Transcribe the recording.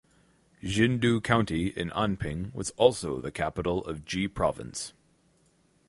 Xindu County in Anping was also the capital of Ji Province.